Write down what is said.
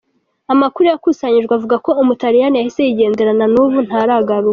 Amakuru yakusanyijwe avuga ko Umutaliyani yahise yigendera na n’ubu ntaragaruka.